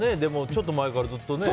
ちょっと前からずっとね。